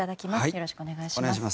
よろしくお願いします。